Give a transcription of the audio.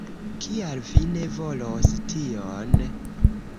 Kial vi ne volos tion?